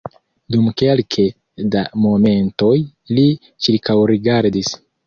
Dum kelke da momentoj li ĉirkaŭrigardis.